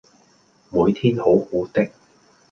每天好好的